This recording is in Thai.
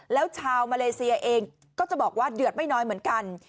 แล้วชาวมาเลเซียเองก็จะบอกว่าเดือดไม่น้อยเหมือนกัน